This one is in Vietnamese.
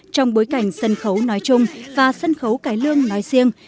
trong bối cảnh sân khấu nói chung và sân khấu cải lương nói riêng